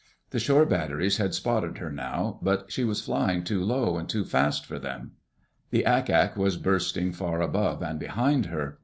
The shore batteries had spotted her now, but she was flying too low and too fast for them. The ack ack was bursting far above and behind her.